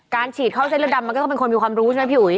ฉีดเข้าเส้นเลือดดำมันก็ต้องเป็นคนมีความรู้ใช่ไหมพี่อุ๋ย